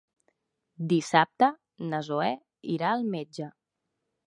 Dissabte na Zoè irà al metge.